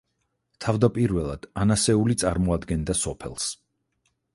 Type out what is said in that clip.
თავდაპირველად ანასეული წარმოადგენდა სოფელს.